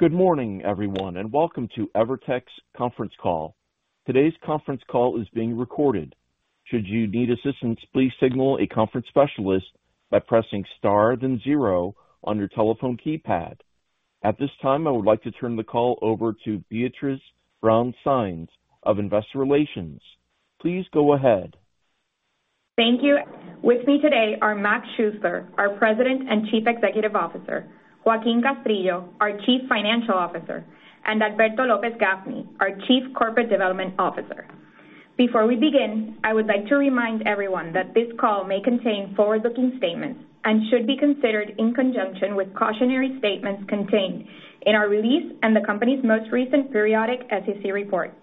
Good morning, everyone, welcome to EVERTEC's Conference Call. Today's conference call is being recorded. Should you need assistance, please signal a conference specialist by pressing star then zero on your telephone keypad. At this time, I would like to turn the call over to Beatriz Brown-Sáenz of Investor Relations. Please go ahead. Thank you. With me today are Mac Schuessler, our President and Chief Executive Officer, Joaquin Castrillo, our Chief Financial Officer, and Alberto López-Gaffney, our Chief Corporate Development Officer. Before we begin, I would like to remind everyone that this call may contain forward-looking statements and should be considered in conjunction with cautionary statements contained in our release and the company's most recent periodic SEC report.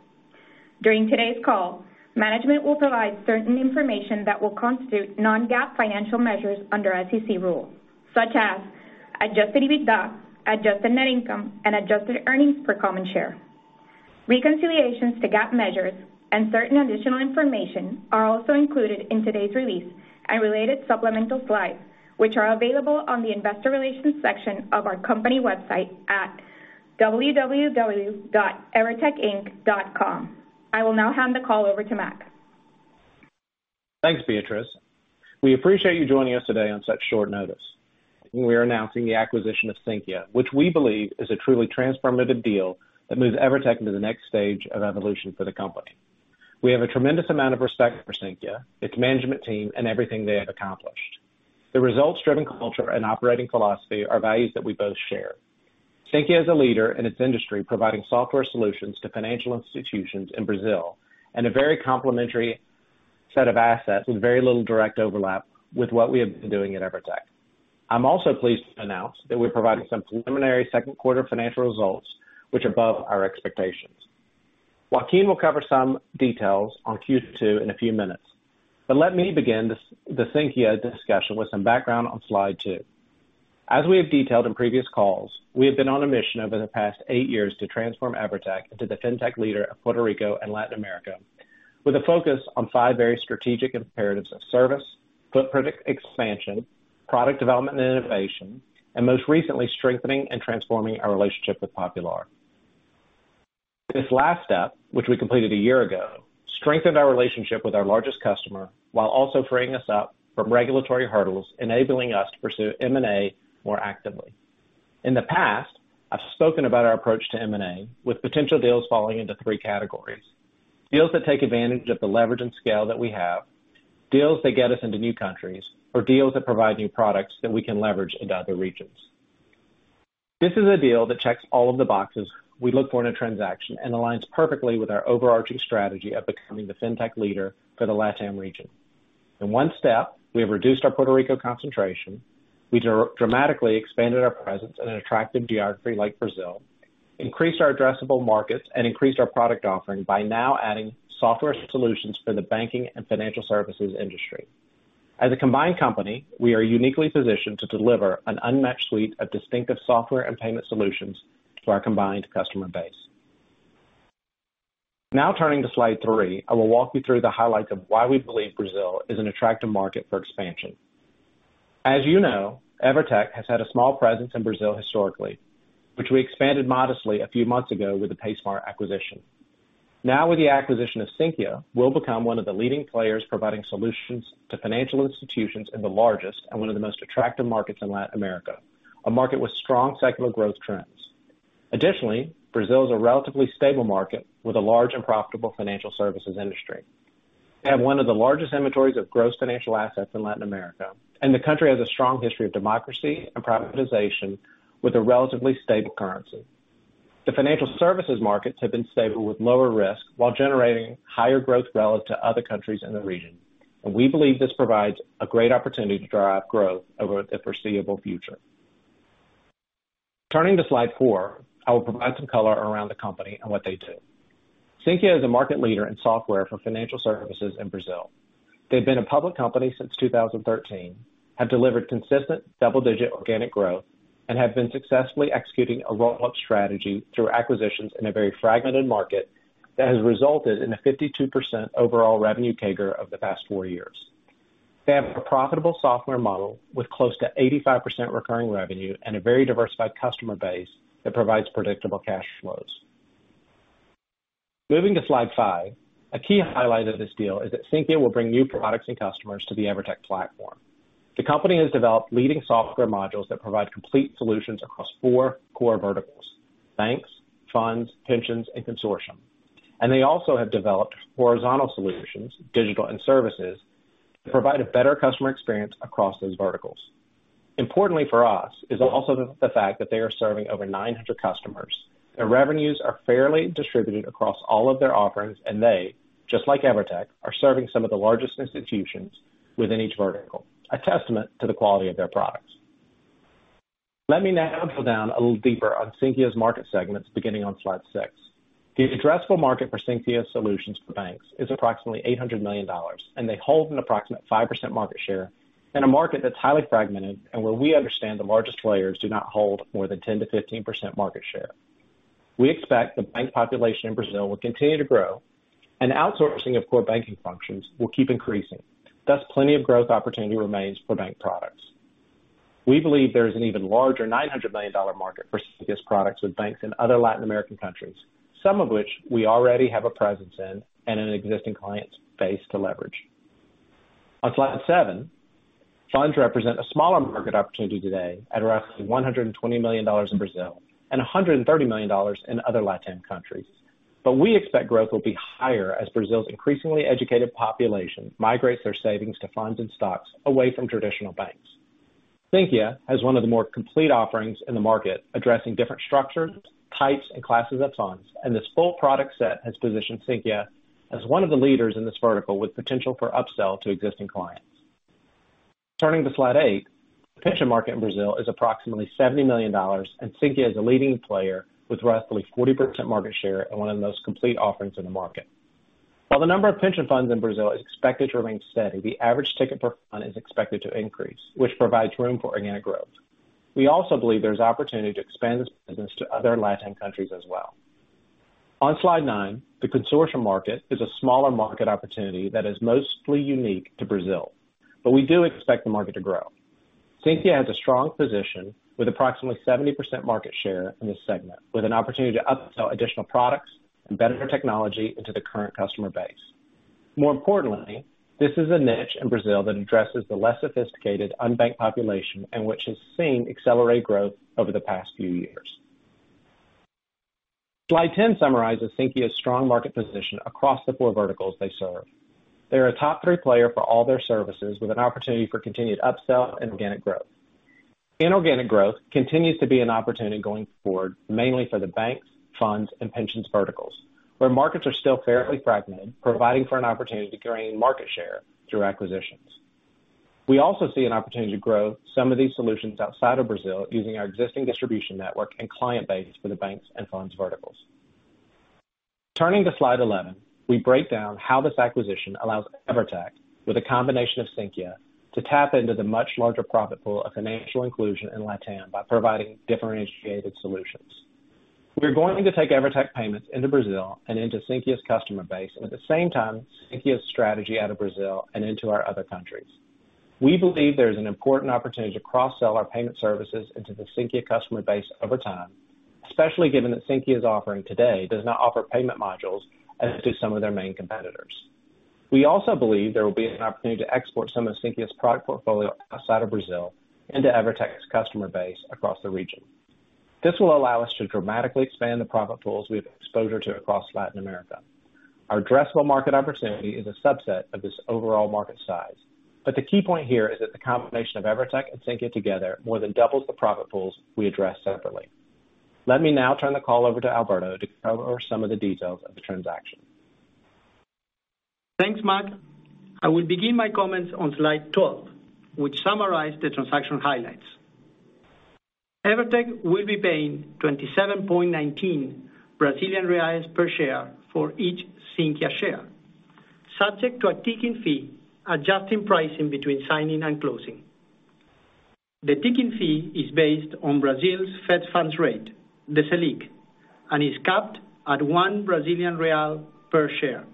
During today's call, management will provide certain information that will constitute non-GAAP financial measures under SEC rules, such as adjusted EBITDA, adjusted net income, and adjusted earnings per common share. Reconciliations to GAAP measures and certain additional information are also included in today's release and related supplemental slides, which are available on the investor relations section of our company website at www.evertecinc.com. I will now hand the call over to Mac. Thanks, Beatriz. We appreciate you joining us today on such short notice. We are announcing the acquisition of Sinqia, which we believe is a truly transformative deal that moves EVERTEC into the next stage of evolution for the company. We have a tremendous amount of respect for Sinqia, its management team, and everything they have accomplished. The results-driven culture and operating philosophy are values that we both share. Sinqia is a leader in its industry, providing software solutions to financial institutions in Brazil and a very complementary set of assets with very little direct overlap with what we have been doing at EVERTEC. I'm also pleased to announce that we provided some preliminary second quarter financial results, which are above our expectations. Joaquin will cover some details on Q2 in a few minutes, but let me begin the Sinqia discussion with some background on slide two. As we have detailed in previous calls, we have been on a mission over the past eight years to transform EVERTEC into the fintech leader of Puerto Rico and Latin America, with a focus on five very strategic imperatives of service, footprint expansion, product development and innovation, and most recently, strengthening and transforming our relationship with Popular. This last step, which we completed a year ago, strengthened our relationship with our largest customer while also freeing us up from regulatory hurdles, enabling us to pursue M&A more actively. In the past, I've spoken about our approach to M&A, with potential deals falling into three categories: deals that take advantage of the leverage and scale that we have, deals that get us into new countries, or deals that provide new products that we can leverage into other regions. This is a deal that checks all of the boxes we look for in a transaction and aligns perfectly with our overarching strategy of becoming the fintech leader for the Latin region. In one step, we have reduced our Puerto Rico concentration, we dramatically expanded our presence in an attractive geography like Brazil, increased our addressable markets, and increased our product offering by now adding software solutions for the banking and financial services industry. As a combined company, we are uniquely positioned to deliver an unmatched suite of distinctive software and payment solutions to our combined customer base. Now turning to slide three, I will walk you through the highlights of why we believe Brazil is an attractive market for expansion. As you know, EVERTEC has had a small presence in Brazil historically, which we expanded modestly a few months ago with the paySmart acquisition. With the acquisition of Sinqia, we'll become one of the leading players providing solutions to financial institutions in the largest and one of the most attractive markets in Latin America, a market with strong secular growth trends. Brazil is a relatively stable market with a large and profitable financial services industry. They have one of the largest inventories of gross financial assets in Latin America. The country has a strong history of democracy and privatization with a relatively stable currency. The financial services markets have been stable with lower risk while generating higher growth relative to other countries in the region. We believe this provides a great opportunity to drive growth over the foreseeable future. Turning to slide four, I will provide some color around the company and what they do. Sinqia is a market leader in software for financial services in Brazil. They've been a public company since 2013, have delivered consistent double-digit organic growth, and have been successfully executing a roll-up strategy through acquisitions in a very fragmented market that has resulted in a 52% overall revenue CAGR of the past four years. They have a profitable software model with close to 85% recurring revenue and a very diversified customer base that provides predictable cash flows. Moving to slide five, a key highlight of this deal is that Sinqia will bring new products and customers to the EVERTEC platform. The company has developed leading software modules that provide complete solutions across four core verticals: banks, funds, pensions, and consortium. They also have developed horizontal solutions, digital and services, that provide a better customer experience across those verticals. Importantly for us is also the fact that they are serving over 900 customers. Their revenues are fairly distributed across all of their offerings, and they, just like EVERTEC, are serving some of the largest institutions within each vertical, a testament to the quality of their products. Let me now go down a little deeper on Sinqia's market segments, beginning on slide six. The addressable market for Sinqia solutions for banks is approximately $800 million, and they hold an approximate 5% market share in a market that's highly fragmented and where we understand the largest players do not hold more than 10%-15% market share. We expect the bank population in Brazil will continue to grow, and outsourcing of core banking functions will keep increasing. Thus, plenty of growth opportunity remains for bank products. We believe there is an even larger $900 million market for Sinqia's products with banks in other Latin American countries, some of which we already have a presence in and an existing client base to leverage. On slide seven, funds represent a smaller market opportunity today at roughly $120 million in Brazil and $130 million in other Latin countries. We expect growth will be higher as Brazil's increasingly educated population migrates their savings to funds and stocks away from traditional banks. Sinqia has one of the more complete offerings in the market, addressing different structures, types, and classes of funds, and this full product set has positioned Sinqia as one of the leaders in this vertical, with potential for upsell to existing clients. Turning to slide eight, the pension market in Brazil is approximately $70 million, Sinqia is a leading player with roughly 40% market share and one of the most complete offerings in the market. While the number of pension funds in Brazil is expected to remain steady, the average ticket per fund is expected to increase, which provides room for organic growth. We also believe there's opportunity to expand this business to other Latin countries as well. On slide nine, the consortium market is a smaller market opportunity that is mostly unique to Brazil, we do expect the market to grow. Sinqia has a strong position with approximately 70% market share in this segment, with an opportunity to upsell additional products and better technology into the current customer base. More importantly, this is a niche in Brazil that addresses the less sophisticated, unbanked population and which has seen accelerated growth over the past few years. Slide 10 summarizes Sinqia's strong market position across the four verticals they serve. They're a top three player for all their services, with an opportunity for continued upsell and organic growth. Inorganic growth continues to be an opportunity going forward, mainly for the banks, funds, and pensions verticals, where markets are still fairly fragmented, providing for an opportunity to gain market share through acquisitions. We also see an opportunity to grow some of these solutions outside of Brazil, using our existing distribution network and client base for the banks and funds verticals. Turning to slide 11, we break down how this acquisition allows EVERTEC, with a combination of Sinqia, to tap into the much larger profit pool of financial inclusion in Latam by providing differentiated solutions. We're going to take EVERTEC payments into Brazil and into Sinqia's customer base. At the same time, Sinqia's strategy out of Brazil and into our other countries. We believe there is an important opportunity to cross-sell our payment services into the Sinqia customer base over time, especially given that Sinqia's offering today does not offer payment modules as do some of their main competitors. We also believe there will be an opportunity to export some of Sinqia's product portfolio outside of Brazil into EVERTEC's customer base across the region. This will allow us to dramatically expand the profit pools we have exposure to across Latin America. Our addressable market opportunity is a subset of this overall market size. The key point here is that the combination of EVERTEC and Sinqia together more than doubles the profit pools we address separately. Let me now turn the call over to Alberto to cover some of the details of the transaction. Thanks, Mac. I will begin my comments on slide 12, which summarize the transaction highlights. EVERTEC will be paying 27.19 Brazilian reais per share for each Sinqia share, subject to a ticking fee, adjusting pricing between signing and closing. The ticking fee is based on Brazil's Fed funds rate, the Selic, and is capped at 1 Brazilian real per share.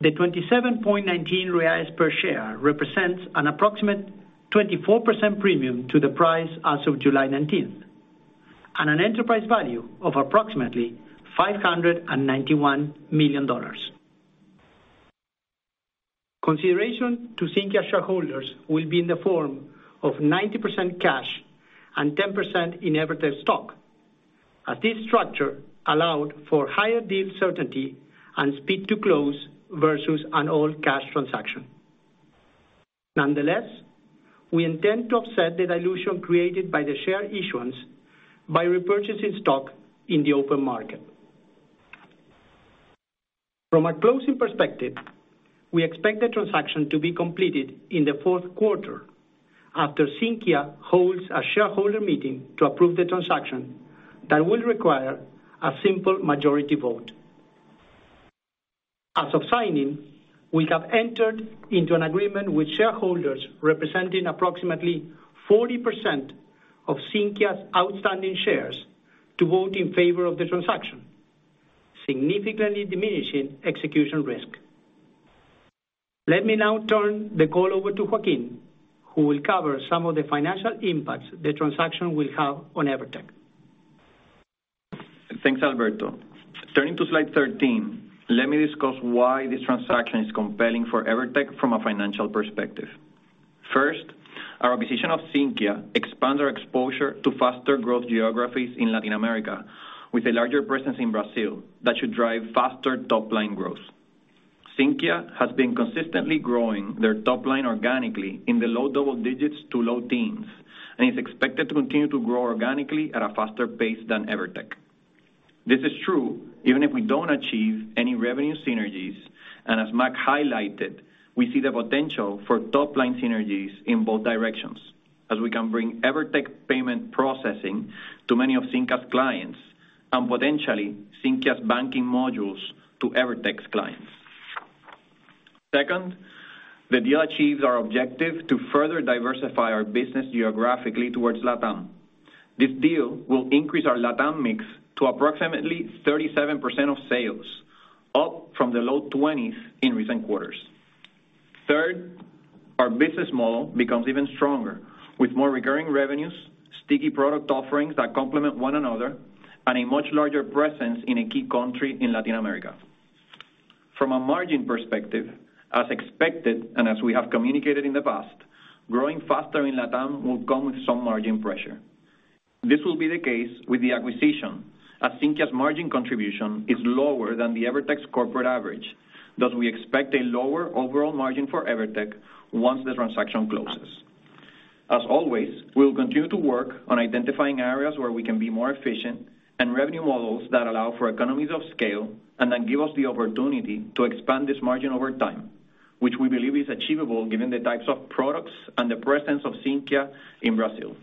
The 27.19 reais per share represents an approximate 24% premium to the price as of July 19th, and an enterprise value of approximately $591 million. Consideration to Sinqia shareholders will be in the form of 90% cash and 10% in EVERTEC stock, as this structure allowed for higher deal certainty and speed to close versus an all-cash transaction. Nonetheless, we intend to offset the dilution created by the share issuance by repurchasing stock in the open market. From a closing perspective, we expect the transaction to be completed in the fourth quarter after Sinqia holds a shareholder meeting to approve the transaction. That will require a simple majority vote. As of signing, we have entered into an agreement with shareholders representing approximately 40% of Sinqia's outstanding shares to vote in favor of the transaction, significantly diminishing execution risk. Let me now turn the call over to Joaquin, who will cover some of the financial impacts the transaction will have on EVERTEC. Thanks, Alberto. Turning to slide 13, let me discuss why this transaction is compelling for EVERTEC from a financial perspective. First, our acquisition of Sinqia expands our exposure to faster growth geographies in Latin America, with a larger presence in Brazil that should drive faster top-line growth. Sinqia has been consistently growing their top-line organically in the low double-digits to low teens, and is expected to continue to grow organically at a faster pace than EVERTEC. This is true even if we don't achieve any revenue synergies, and as Mac highlighted, we see the potential for top-line synergies in both directions, as we can bring EVERTEC payment processing to many of Sinqia's clients and potentially Sinqia's banking modules to EVERTEC's clients. The deal achieves our objective to further diversify our business geographically towards LatAm. This deal will increase our LatAm mix to approximately 37% of sales, up from the low 20s in recent quarters. Our business model becomes even stronger, with more recurring revenues, sticky product offerings that complement one another, and a much larger presence in a key country in Latin America. From a margin perspective, as expected, and as we have communicated in the past, growing faster in LatAm will come with some margin pressure. This will be the case with the acquisition, as Sinqia's margin contribution is lower than the EVERTEC's corporate average, thus we expect a lower overall margin for EVERTEC once the transaction closes. As always, we'll continue to work on identifying areas where we can be more efficient and revenue models that allow for economies of scale and then give us the opportunity to expand this margin over time, which we believe is achievable given the types of products and the presence of Sinqia in Brazil.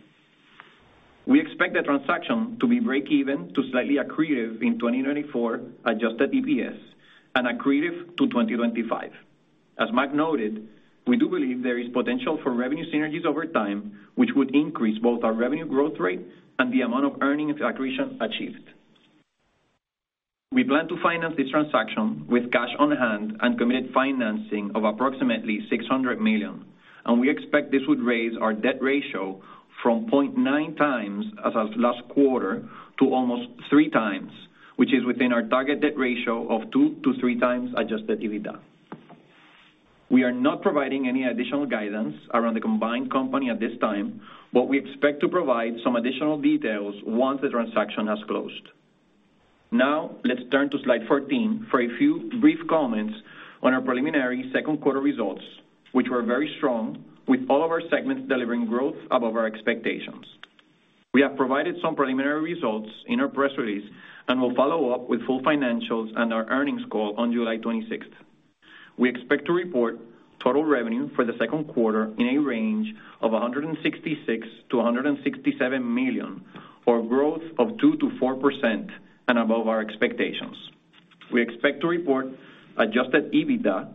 We expect the transaction to be breakeven to slightly accretive in 2094 adjusted EPS and accretive to 2025. As Mac noted, we do believe there is potential for revenue synergies over time, which would increase both our revenue growth rate and the amount of earnings accretion achieved. We plan to finance this transaction with cash on hand and committed financing of approximately $600 million. We expect this would raise our debt ratio from 0.9 times as of last quarter to almost three times, which is within our target debt ratio of 2-3 times adjusted EBITDA. We are not providing any additional guidance around the combined company at this time. We expect to provide some additional details once the transaction has closed. Let's turn to slide 14 for a few brief comments on our preliminary second quarter results, which were very strong, with all of our segments delivering growth above our expectations. We have provided some preliminary results in our press release and will follow up with full financials and our earnings call on July 26th. We expect to report total revenue for the second quarter in a range of $166 million-$167 million, or growth of 2%-4% and above our expectations. We expect to report adjusted EBITDA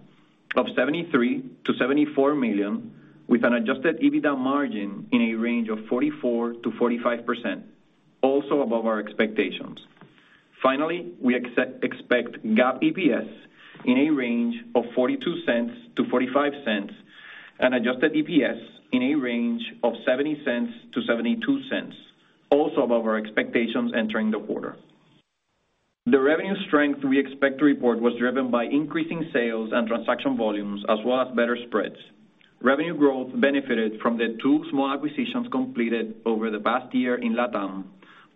of $73 million-$74 million, with an adjusted EBITDA margin in a range of 44%-45%, also above our expectations. Finally, we expect GAAP EPS in a range of $0.42-$0.45 and adjusted EPS in a range of $0.70-$0.72, also above our expectations entering the quarter. The revenue strength we expect to report was driven by increasing sales and transaction volumes as well as better spreads. Revenue growth benefited from the two small acquisitions completed over the past year in LatAm,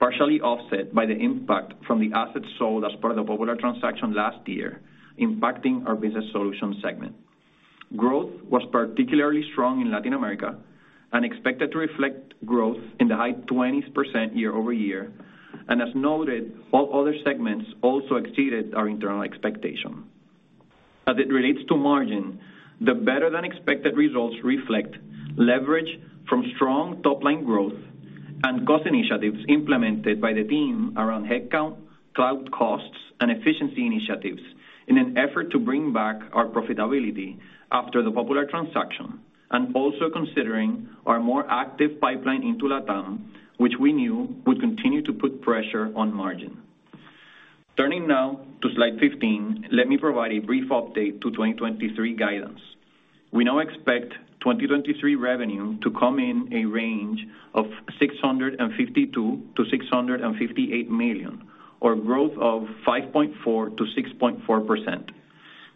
partially offset by the impact from the assets sold as part of the Popular transaction last year, impacting our business solutions segment. Growth was particularly strong in Latin America and expected to reflect growth in the high 20s% year-over-year. As noted, all other segments also exceeded our internal expectation. As it relates to margin, the better-than-expected results reflect leverage from strong top-line growth and cost initiatives implemented by the team around headcount, cloud costs, and efficiency initiatives in an effort to bring back our profitability after the Popular transaction, and also considering our more active pipeline into LatAm, which we knew would continue to put pressure on margin. Turning now to slide 15, let me provide a brief update to 2023 guidance. We now expect 2023 revenue to come in a range of $652 million-$658 million, or growth of 5.4%-6.4%.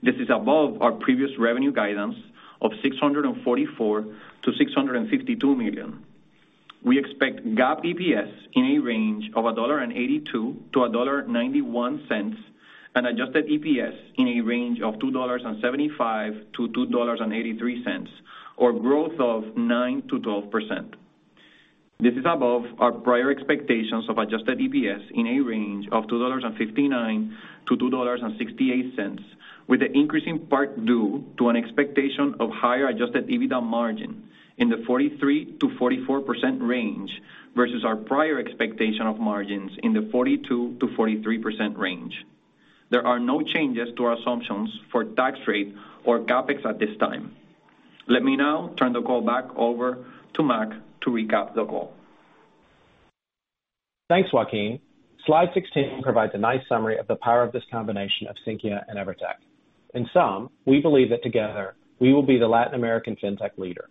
This is above our previous revenue guidance of $644 million-$652 million. We expect GAAP EPS in a range of $1.82-$1.91, and adjusted EPS in a range of $2.75-$2.83, or growth of 9%-12%. This is above our prior expectations of adjusted EPS in a range of $2.59-$2.68, with the increase in part due to an expectation of higher adjusted EBITDA margin in the 43%-44% range, versus our prior expectation of margins in the 42%-43% range. There are no changes to our assumptions for tax rate or CapEx at this time. Let me now turn the call back over to Mac to recap the call. Thanks, Joaquín. Slide 16 provides a nice summary of the power of this combination of Sinqia and EVERTEC. In sum, we believe that together we will be the Latin American fintech leader.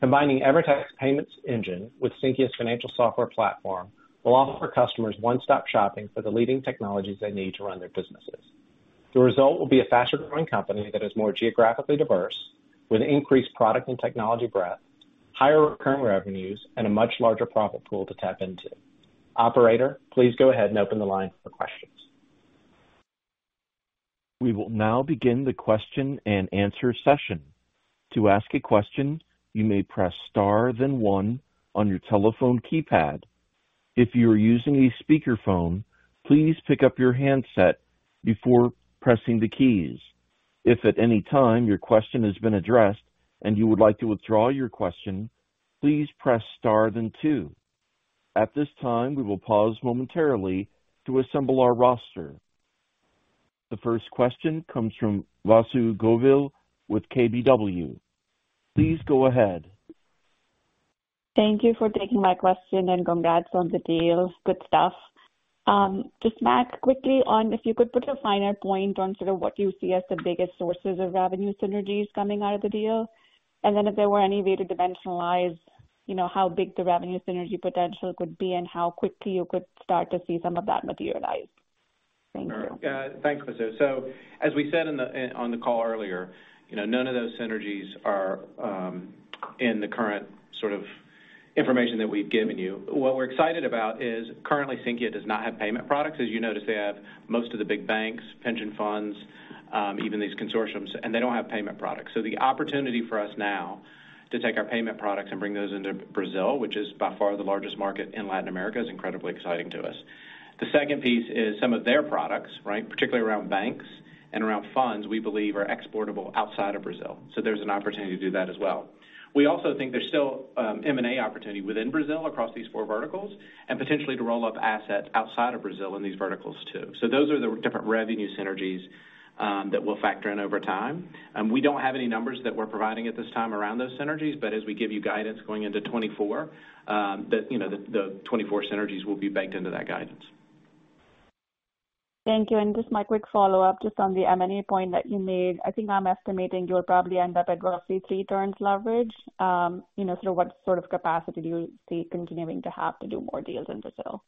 Combining EVERTEC's payments engine with Sinqia's financial software platform will offer customers one-stop shopping for the leading technologies they need to run their businesses. The result will be a faster growing company that is more geographically diverse, with increased product and technology breadth, higher recurring revenues, and a much larger profit pool to tap into. Operator, please go ahead and open the line for questions. We will now begin the question and answer session. To ask a question, you may press star, then one on your telephone keypad. If you are using a speakerphone, please pick up your handset before pressing the keys. If at any time your question has been addressed and you would like to withdraw your question, please press star, then two. At this time, we will pause momentarily to assemble our roster. The first question comes from Vasu Govil with KBW. Please go ahead. Thank you for taking my question. Congrats on the deal. Good stuff. Just, Mac, quickly on, if you could put a finer point on sort of what you see as the biggest sources of revenue synergies coming out of the deal? If there were any way to dimensionalize, you know, how big the revenue synergy potential could be and how quickly you could start to see some of that materialize? Thank you. Thanks, Vasu. As we said in the, on the call earlier, you know, none of those synergies are in the current sort of information that we've given you. What we're excited about is currently, Sinqia does not have payment products. As you notice, they have most of the big banks, pension funds, even these consortiums, and they don't have payment products. The opportunity for us now to take our payment products and bring those into Brazil, which is by far the largest market in Latin America, is incredibly exciting to us. The second piece is some of their products, right? Particularly around banks and around funds, we believe are exportable outside of Brazil, so there's an opportunity to do that as well. We also think there's still M&A opportunity within Brazil across these four verticals, and potentially to roll up assets outside of Brazil in these verticals, too. Those are the different revenue synergies that we'll factor in over time. We don't have any numbers that we're providing at this time around those synergies, but as we give you guidance going into 2024, that, you know, the 2024 synergies will be baked into that guidance. Thank you. Just my quick follow-up, just on the M&A point that you made. I think I'm estimating you'll probably end up at roughly three turns leverage. You know, what sort of capacity do you see continuing to have to do more deals in Brazil?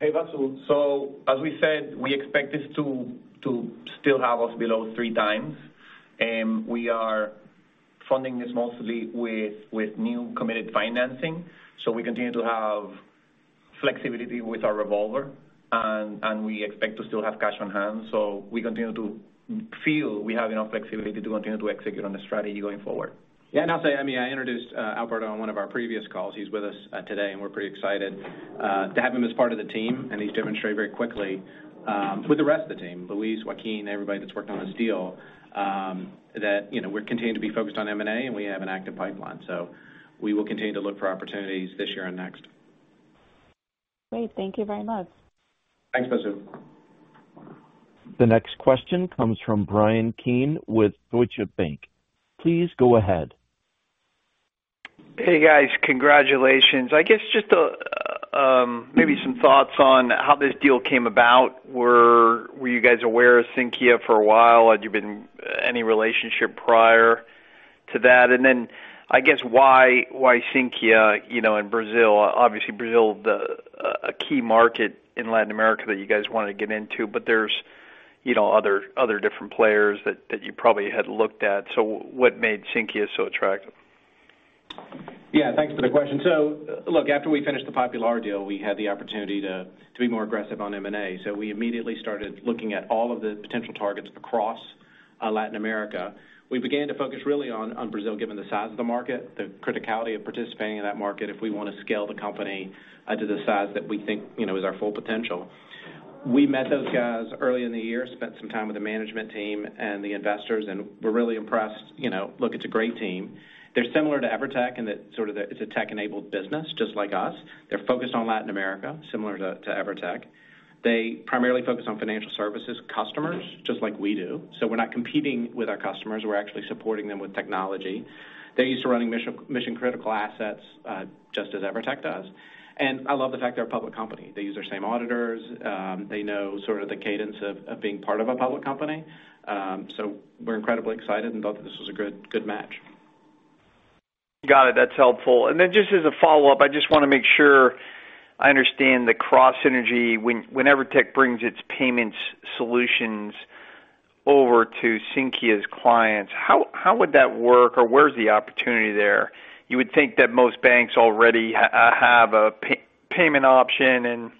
Hey, Vasu. As we said, we expect this to still have us below three times, and we are funding this mostly with new committed financing. We continue to have flexibility with our revolver and we expect to still have cash on hand. We continue to feel we have enough flexibility to continue to execute on the strategy going forward. I'll say, I mean, I introduced Alberto on one of our previous calls. He's with us today, and we're pretty excited to have him as part of the team. He's demonstrated very quickly, with the rest of the team, Luis, Joaquin, everybody that's worked on this deal, that, you know, we're continuing to be focused on M&A, and we have an active pipeline. We will continue to look for opportunities this year and next. Great. Thank you very much. Thanks, Vasu. The next question comes from Bryan Keane with Deutsche Bank. Please go ahead. Hey, guys, congratulations. I guess just maybe some thoughts on how this deal came about. Were you guys aware of Sinqia for a while? Had you been any relationship prior to that? I guess, why Sinqia, you know, in Brazil? Obviously, Brazil, a key market in Latin America that you guys wanted to get into, but there's, you know, other different players that you probably had looked at. What made Sinqia so attractive? Thanks for the question. Look, after we finished the Popular deal, we had the opportunity to be more aggressive on M&A. We immediately started looking at all of the potential targets across Latin America. We began to focus really on Brazil, given the size of the market, the criticality of participating in that market, if we wanna scale the company to the size that we think, you know, is our full potential. We met those guys early in the year, spent some time with the management team and the investors, we're really impressed. You know, look, it's a great team. They're similar to EVERTEC in that sort of it's a tech-enabled business, just like us. They're focused on Latin America, similar to EVERTEC. They primarily focus on financial services customers, just like we do. We're not competing with our customers. We're actually supporting them with technology. They're used to running mission-critical assets, just as EVERTEC does. I love the fact they're a public company. They use their same auditors. They know sort of the cadence of being part of a public company. We're incredibly excited and thought that this was a good match. Got it. That's helpful. Just as a follow-up, I just wanna make sure I understand the cross synergy. When EVERTEC brings its payments solutions over to Sinqia's clients, how would that work, or where's the opportunity there? You would think that most banks already have a payment option, and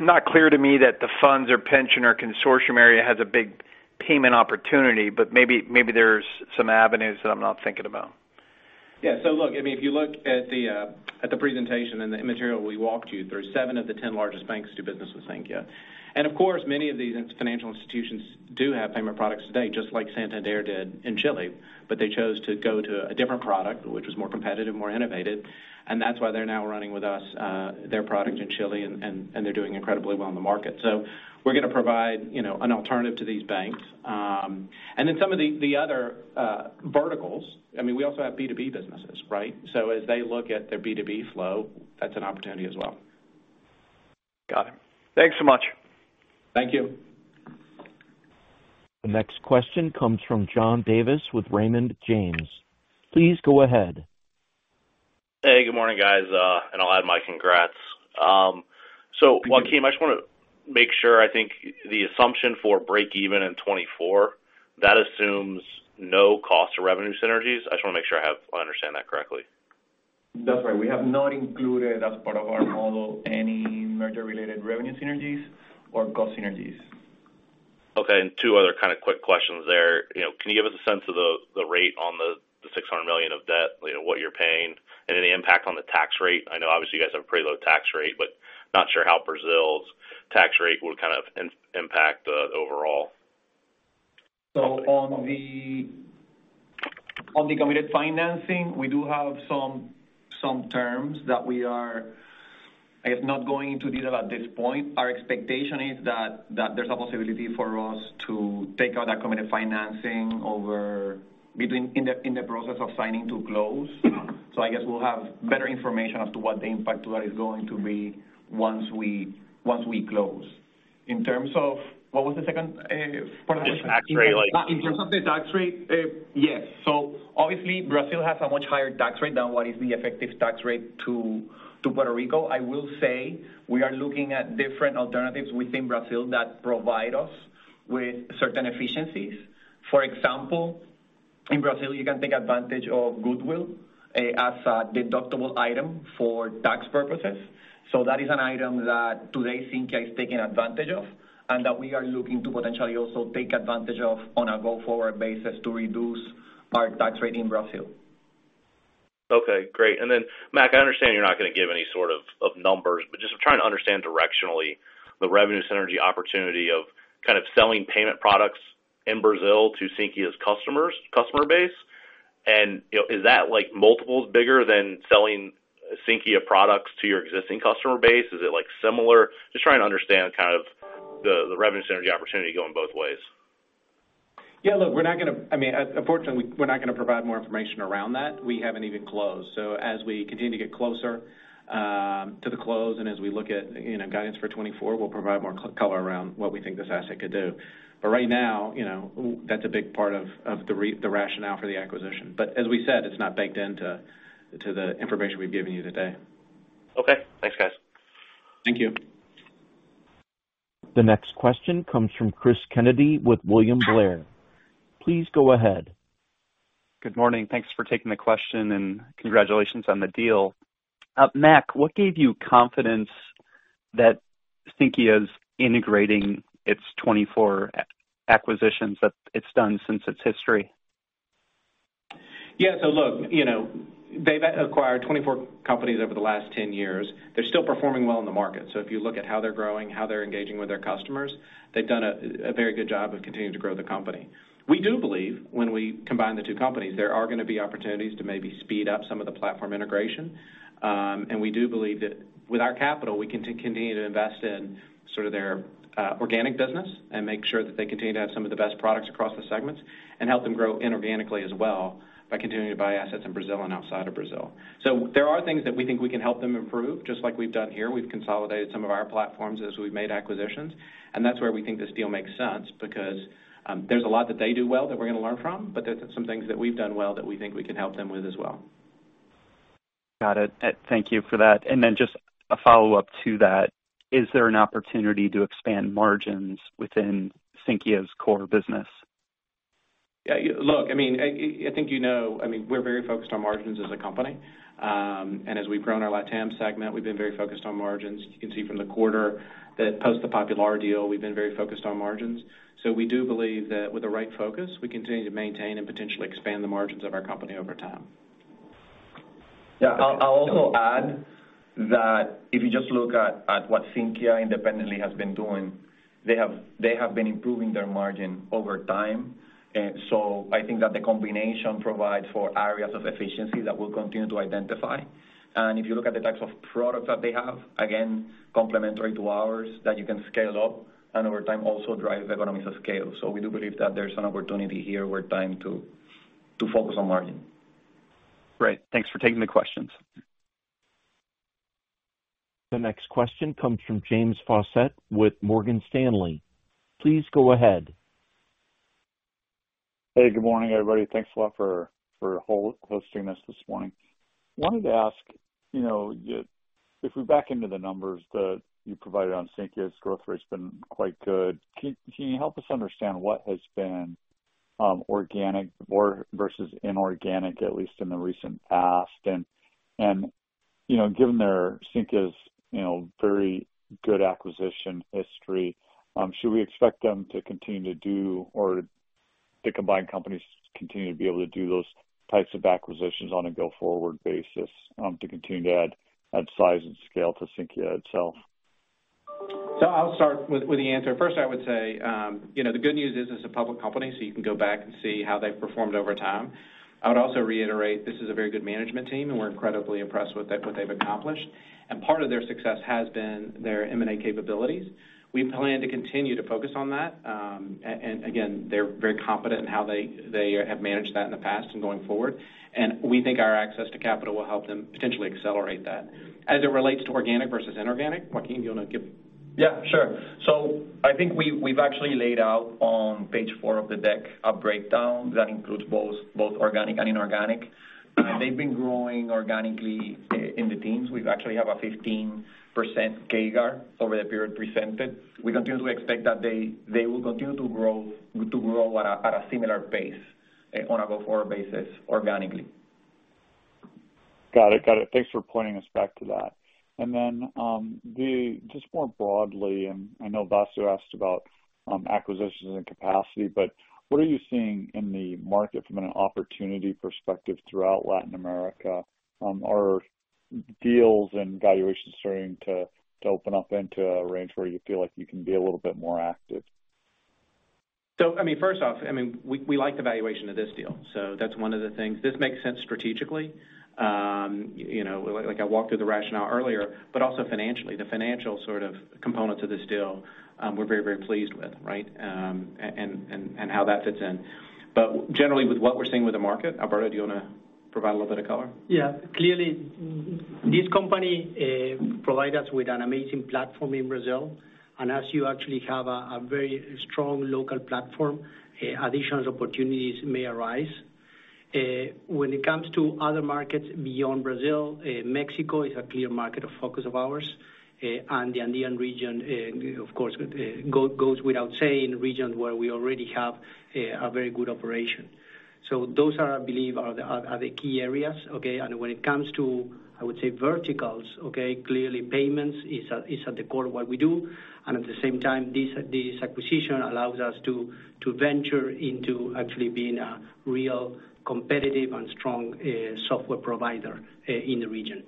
not clear to me that the funds or pension or consortium area has a big payment opportunity, but maybe there's some avenues that I'm not thinking about. Yeah. Look, I mean, if you look at the presentation and the material we walked you through, seven of the 10 largest banks do business with Sinqia. Of course, many of these financial institutions do have payment products today, just like Santander did in Chile, they chose to go to a different product, which was more competitive, more innovative, that's why they're now running with us, their product in Chile, and they're doing incredibly well in the market. We're gonna provide, you know, an alternative to these banks. Some of the other verticals. I mean, we also have B2B businesses, right? As they look at their B2B flow, that's an opportunity as well. Got it. Thanks so much. Thank you. The next question comes from John Davis with Raymond James. Please go ahead. Hey, good morning, guys. I'll add my congrats. Joaquin, I just wanna make sure, I think the assumption for break even in 2024, that assumes no cost to revenue synergies. I just wanna make sure I understand that correctly? That's right. We have not included as part of our model any merger-related revenue synergies or cost synergies. Okay, two other kind of quick questions there. You know, can you give us a sense of the rate on the $600 million of debt, you know, what you're paying and any impact on the tax rate? I know obviously you guys have a pretty low tax rate, but not sure how Brazil's tax rate will kind of impact the overall. On the committed financing, we do have some terms that we are, I guess, not going into detail at this point. Our expectation is that there's a possibility for us to take out that committed financing over in the process of signing to close. I guess we'll have better information as to what the impact to that is going to be once we close. In terms of, what was the second part of the question? Just tax rate, like. In terms of the tax rate? Yes. Obviously, Brazil has a much higher tax rate than what is the effective tax rate to Puerto Rico. I will say we are looking at different alternatives within Brazil that provide us with certain efficiencies. For example, in Brazil, you can take advantage of goodwill as a deductible item for tax purposes. That is an item that today Sinqia is taking advantage of, and that we are looking to potentially also take advantage of on a go-forward basis to reduce our tax rate in Brazil. Okay, great. Then, Mac, I understand you're not gonna give any sort of numbers, but just trying to understand directionally, the revenue synergy opportunity of kind of selling payment products in Brazil to Sinqia's customer base? You know, is that like multiples bigger than selling Sinqia products to your existing customer base? Is it, like, similar? Just trying to understand kind of the revenue synergy opportunity going both ways. Yeah, look, we're not gonna, I mean, unfortunately, we're not gonna provide more information around that. We haven't even closed. As we continue to get closer to the close, and as we look at, you know, guidance for 2024, we'll provide more color around what we think this asset could do. Right now, you know, that's a big part of the rationale for the acquisition. As we said, it's not baked into the information we've given you today. Okay. Thanks, guys. Thank you. The next question comes from Chris Kennedy with William Blair. Please go ahead. Good morning. Thanks for taking the question, and congratulations on the deal. Mac, what gave you confidence that Sinqia is integrating its 24 acquisitions that it's done since its history? Yeah, look, you know, they've acquired 24 companies over the last 10 years. They're still performing well in the market. If you look at how they're growing, how they're engaging with their customers, they've done a very good job of continuing to grow the company. We do believe when we combine the two companies, there are gonna be opportunities to maybe speed up some of the platform integration. And we do believe that with our capital, we can continue to invest in sort of their organic business and make sure that they continue to have some of the best products across the segments and help them grow inorganically as well by continuing to buy assets in Brazil and outside of Brazil. There are things that we think we can help them improve, just like we've done here. We've consolidated some of our platforms as we've made acquisitions, and that's where we think this deal makes sense, because there's a lot that they do well that we're gonna learn from, but there's some things that we've done well that we think we can help them with as well. Got it. Thank you for that. Just a follow-up to that, is there an opportunity to expand margins within Sinqia's core business? Yeah, look, I mean, I think you know, I mean, we're very focused on margins as a company. As we've grown our LatAm segment, we've been very focused on margins. You can see from the quarter that post the Popular deal, we've been very focused on margins. We do believe that with the right focus, we continue to maintain and potentially expand the margins of our company over time. I'll also add that if you just look at what Sinqia independently has been doing, they have been improving their margin over time. I think that the combination provides for areas of efficiency that we'll continue to identify. If you look at the types of products that they have, again, complementary to ours, that you can scale up and over time also drive economies of scale. We do believe that there's an opportunity here with time to focus on margin. Great. Thanks for taking the questions. The next question comes from James Faucette with Morgan Stanley. Please go ahead. Hey, good morning, everybody. Thanks a lot for hosting us this morning. Wanted to ask, you know, if we back into the numbers that you provided on Sinqia's growth rate's been quite good. Can you help us understand what has been organic or versus inorganic, at least in the recent past? Given their Sinqia's, you know, very good acquisition history, should we expect them to continue to do or the combined companies continue to be able to do those types of acquisitions on a go-forward basis to continue to add size and scale to Sinqia itself? I'll start with the answer. First, I would say, you know, the good news is it's a public company, so you can go back and see how they've performed over time. I would also reiterate, this is a very good management team, and we're incredibly impressed with what they've accomplished. Part of their success has been their M&A capabilities. We plan to continue to focus on that. Again, they're very competent in how they have managed that in the past and going forward, and we think our access to capital will help them potentially accelerate that. As it relates to organic versus inorganic, Joaquin, do you want to give? Yeah, sure. I think we've actually laid out on page four of the deck a breakdown that includes both organic and inorganic. They've been growing organically in the teams. We actually have a 15% CAGR over the period presented. We continue to expect that they will continue to grow at a similar pace on a go-forward basis, organically. Got it. Got it. Thanks for pointing us back to that. Just more broadly, and I know Vasu asked about acquisitions and capacity, what are you seeing in the market from an opportunity perspective throughout Latin America? [on Earth] deals and valuations starting to open up into a range where you feel like you can be a little bit more active? First off, we like the valuation of this deal, so that's one of the things. This makes sense strategically, you know, like I walked through the rationale earlier, but also financially. The financial sort of components of this deal, we're very, very pleased with, right? And how that fits in. Generally, with what we're seeing with the market, Alberto, do you wanna provide a little bit of color? Yeah. Clearly, this company provide us with an amazing platform in Brazil, and as you actually have a very strong local platform, additional opportunities may arise. When it comes to other markets beyond Brazil, Mexico is a clear market of focus of ours, and the Andean region, of course, goes without saying, regions where we already have a very good operation. Those are, I believe, the key areas, okay? When it comes to, I would say, verticals, okay, clearly payments is at the core of what we do. At the same time, this acquisition allows us to venture into actually being a real competitive and strong software provider in the region.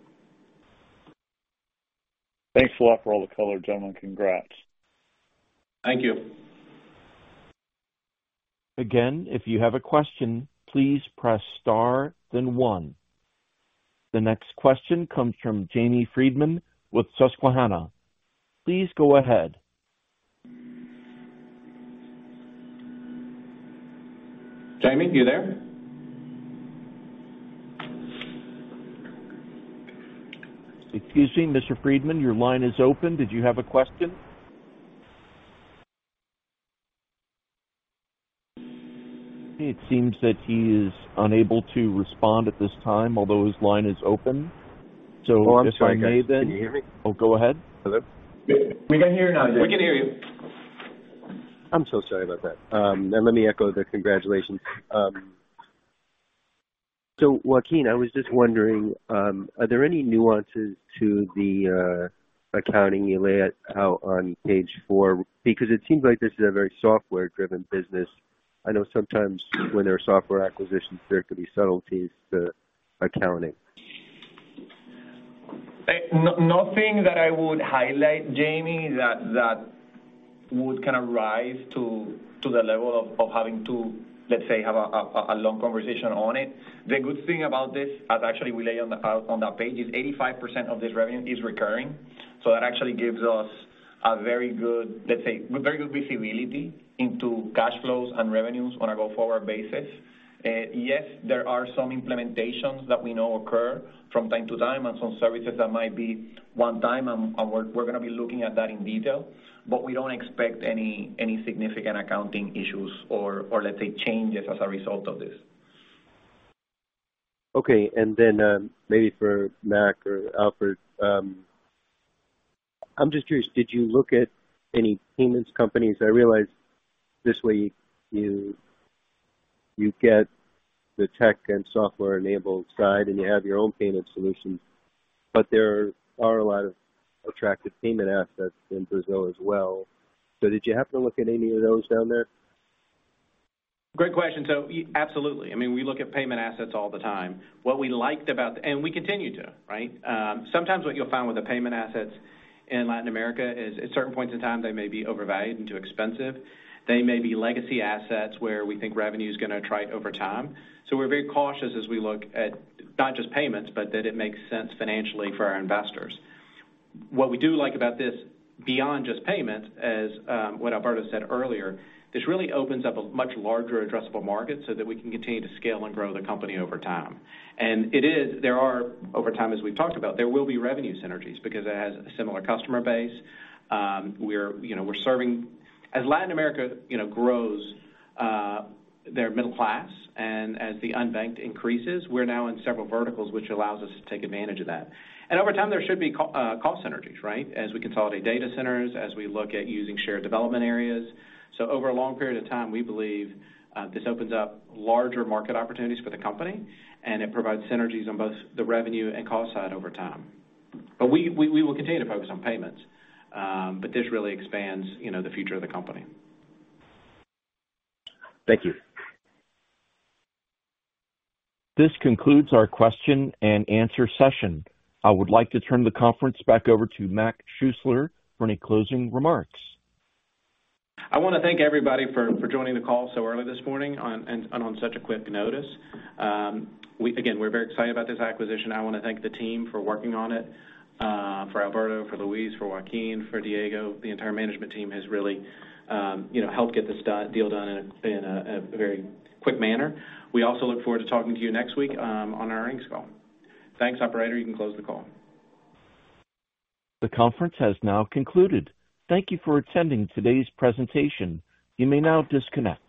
Thanks a lot for all the color, gentlemen. Congrats. Thank you. Again, if you have a question, please press star, then one. The next question comes from Jamie Friedman with Susquehanna. Please go ahead. Jamie, are you there? Excuse me, Mr. Friedman, your line is open. Did you have a question? It seems that he is unable to respond at this time, although his line is open. If I may then- Oh, I'm sorry, guys. Can you hear me? Oh, go ahead. Hello? We can hear you now. We can hear you. I'm so sorry about that. Let me echo the congratulations. Joaquin, I was just wondering, are there any nuances to the accounting you lay out on page four? Because it seems like this is a very software-driven business. I know sometimes when there are software acquisitions, there could be subtleties to accounting. Nothing that I would highlight, Jamie, that would kind of rise to the level of having to, let's say, have a long conversation on it. The good thing about this, as actually we lay on the out on that page, is 85% of this revenue is recurring. That actually gives us a very good, let's say, very good visibility into cash flows and revenues on a go-forward basis. Yes, there are some implementations that we know occur from time to time and some services that might be one time, and we're gonna be looking at that in detail, but we don't expect any significant accounting issues or let's say, changes as a result of this. Maybe for Mac or Albert, I'm just curious, did you look at any payments companies? I realize this way you get the tech and software-enabled side, and you have your own payment solutions, but there are a lot of attractive payment assets in Brazil as well. Did you happen to look at any of those down there? Great question. Absolutely. I mean, we look at payment assets all the time. What we liked about, and we continue to, right? Sometimes what you'll find with the payment assets in Latin America is, at certain points in time, they may be overvalued and too expensive. They may be legacy assets where we think revenue is gonna trite over time. We're very cautious as we look at not just payments, but that it makes sense financially for our investors. What we do like about this, beyond just payments, as what Alberto López-Gaffney said earlier, this really opens up a much larger addressable market so that we can continue to scale and grow the company over time. It is, there are, over time, as we've talked about, there will be revenue synergies because it has a similar customer base. We're, you know, we're serving... As Latin America, you know, grows, their middle class, and as the unbanked increases, we're now in several verticals, which allows us to take advantage of that. Over time, there should be cost synergies, right? As we consolidate data centers, as we look at using shared development areas. Over a long period of time, we believe, this opens up larger market opportunities for the company, and it provides synergies on both the revenue and cost side over time. We will continue to focus on payments, but this really expands, you know, the future of the company. Thank you. This concludes our question and answer session. I would like to turn the conference back over to Mac Schuessler for any closing remarks. I wanna thank everybody for joining the call so early this morning and on such a quick notice. We again, we're very excited about this acquisition. I wanna thank the team for working on it, for Alberto, for Luis, for Joaquin, for Diego. The entire management team has really, you know, helped get this deal done in a very quick manner. We also look forward to talking to you next week on our earnings call. Thanks, operator. You can close the call. The conference has now concluded. Thank you for attending today's presentation. You may now disconnect.